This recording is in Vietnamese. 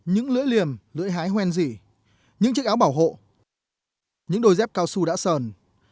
những lưỡi liềm lưỡi hái hoen dỉ những chiếc áo bảo hộ những đôi dép cao su đã sờn